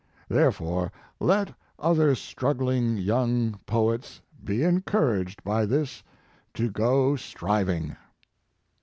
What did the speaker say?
Therefore, let other struggling young poets be encour aged by this to go striving.